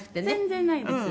全然ないです。